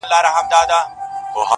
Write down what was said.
په تېرو اوبو پسي چا يوم نه وي وړی.